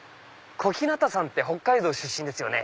小日向さんって北海道出身ですよね。